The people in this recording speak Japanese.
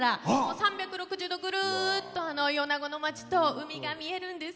３６０度、ぐるっと米子の町と海が見えるんです。